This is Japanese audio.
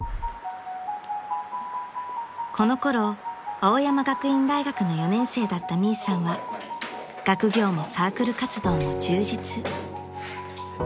［このころ青山学院大学の４年生だったミイさんは学業もサークル活動も充実］